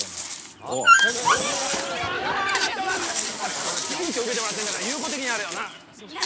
ちょっと急きょ受けてもらってんだから友好的にやれよなすいません